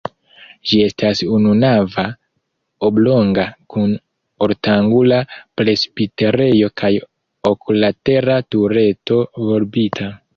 Ĝi estas ununava, oblonga kun ortangula presbiterejo kaj oklatera tureto, volbita.